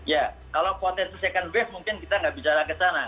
ya kalau potensi second wave mungkin kita tidak bisa langkah ke sana